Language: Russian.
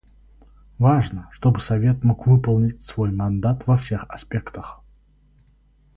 Важно, чтобы Совет мог выполнить свой мандат во всех аспектах.